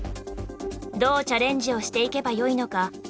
どうチャレンジをしていけばよいのか